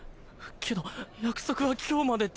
けど約束は今日までって。